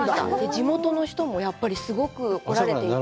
地元の人もすごく来られていて。